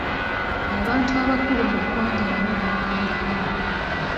Abantu abakulu mu ggwanga nabo beenyigiramu.